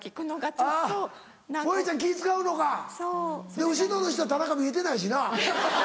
で後ろの人は田中見えてないしな。